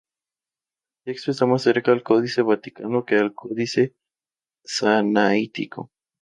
El texto está más cerca al Códice Vaticano que al Códice Sinaítico.